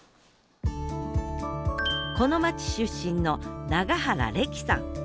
この町出身の永原レキさん。